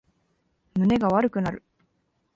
胸が悪くなる